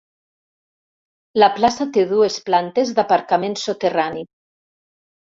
La plaça té dues plantes d'aparcament soterrani.